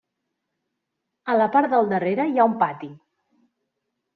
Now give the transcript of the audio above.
A la part del darrere hi ha un pati.